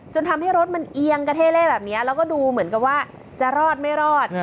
ทำให้รถมันเอียงกระเท่เล่แบบนี้แล้วก็ดูเหมือนกับว่าจะรอดไม่รอด